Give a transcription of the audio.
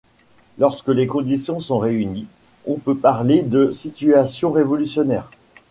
Lorsque les conditions sont réunies, on peut parler de situation révolutionnaire.